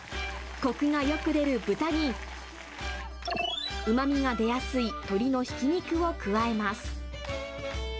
こくがよく出る豚に、うまみが出やすい鶏のひき肉を加えます。